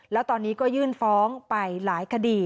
แล้วตอนนี้ก็ยื่นฟ้องไปหลายคดี